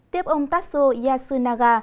tiếp ông tatsuo yasunaga